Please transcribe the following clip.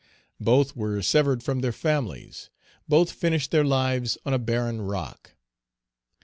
Both were severed from their families. Both finished their lives on a barren rock.